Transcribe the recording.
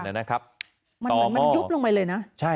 มันเหมือนมันยุบลงไปเลยนะนะคะ